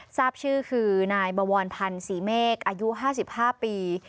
ทราบชื่อคือนายบวรพันธ์ศรีเมฆอายุ๕๕ปี